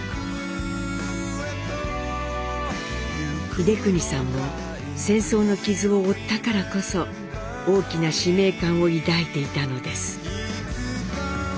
英邦さんも戦争の傷を負ったからこそ大きな使命感を抱いていたのです。